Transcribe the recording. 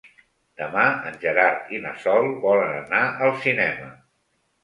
Demà en Gerard i na Sol volen anar al cinema.